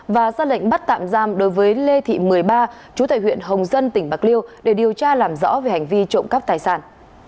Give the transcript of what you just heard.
và ra lệnh bắt tạm giam đối với lê thị một mươi ba chú tại huyện hồng dân tỉnh bạc liêu để điều tra làm rõ về hành vi trộm cắp tài sản